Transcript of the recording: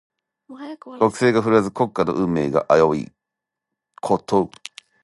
国勢が振るわず、国家の運命が危ういこと。